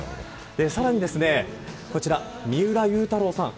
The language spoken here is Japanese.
さらにこちら三浦祐太朗さん。